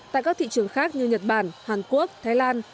tại các thị trường khác như nhật bản hàn quốc thái lan